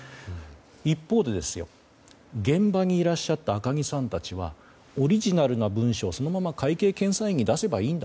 一方で、現場にいらっしゃった赤木さんたちはオリジナルな文書をそのまま会計検査院に出せばいいんだ。